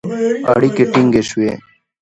اړیکې ټینګې شوې